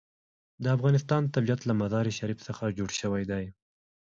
د افغانستان طبیعت له مزارشریف څخه جوړ شوی دی.